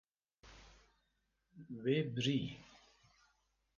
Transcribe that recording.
Wê birî.